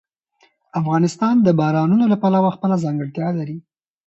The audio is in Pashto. افغانستان د بارانونو له پلوه خپله ځانګړتیا لري.